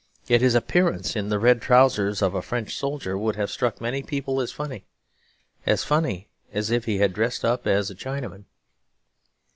Yet his appearance in the red trousers of a French soldier would have struck many people as funny; as funny as if he had dressed up as a Chinaman.